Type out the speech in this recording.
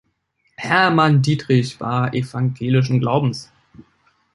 Hermann Dietrich war evangelischen Glaubens.